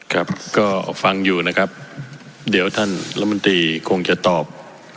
ครับก็ฟังอยู่นะครับเดี๋ยวท่านละมนตรีคงจะตอบ